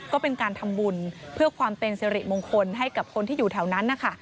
ก็เป็นการทำบุญเพื่อความเป็นสิริมงคลให้กับคนที่อยู่แถวนั้นนะคะ